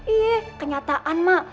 ih kenyataan mak